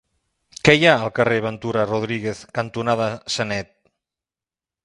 Què hi ha al carrer Ventura Rodríguez cantonada Sanet?